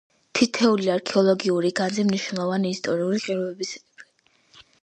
კალთებზე განვითარებულია ტყე.